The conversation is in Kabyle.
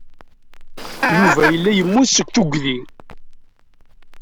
Yuba yella yemmut seg tuggdi.